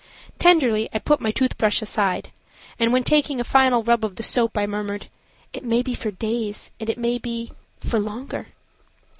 Tenderly I put my tooth brush aside, and, when taking a final rub of the soap, I murmured, "It may be for days, and it may be–for longer."